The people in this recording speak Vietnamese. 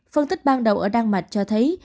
phân tích ban đầu ở đan mạch cho thấy